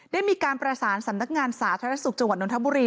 ได้มีการประสานสำนักงานสาธารณสุขจังหวัดนทบุรี